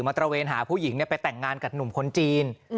ตระเวนหาผู้หญิงไปแต่งงานกับหนุ่มคนจีน